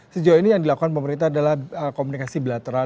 sejauh ini yang dilakukan pemerintah adalah komunikasi bilateral